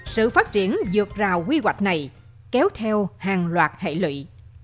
sự phát triển dược rào quy hoạch này kéo theo hàng loạt hệ lụy